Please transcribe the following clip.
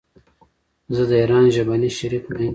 زه د ايران ژبني شريک نه يم.